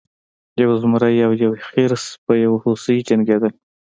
یو زمری او یو خرس په یو هوسۍ جنګیدل.